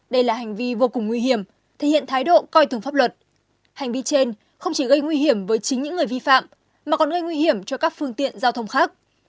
đây là hành vi vô cùng nguy hiểm thể hiện thái độ coi thường pháp luật hành vi trên không chỉ gây nguy hiểm với chính những người vi phạm mà còn gây nguy hiểm cho các phương tiện giao thông khác